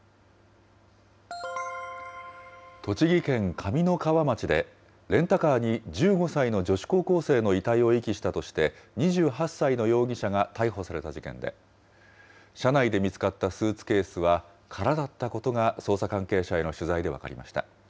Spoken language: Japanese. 栃木県上三川町で、レンタカーに１５歳の女子高校生の遺体を遺棄したとして、２８歳の容疑者が逮捕された事件で、車内で見つかったスーツケースは空だったことが捜査関係者への取材で分かりました。